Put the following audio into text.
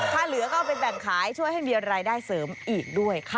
ถ้าเหลือก็เอาไปแบ่งขายช่วยให้มีรายได้เสริมอีกด้วยค่ะ